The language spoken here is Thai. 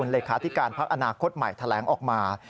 เลขาธิการพักอนาคตใหม่แถลงออกมา